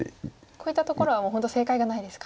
こういったところはもう本当正解がないですか。